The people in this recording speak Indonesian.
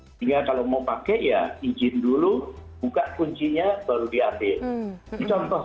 sehingga kalau mau pakai ya izin dulu buka kuncinya baru diambil